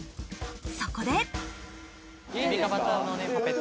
そこで。